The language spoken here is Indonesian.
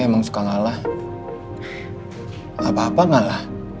apapun yang digemparimu pas avange dua hari ini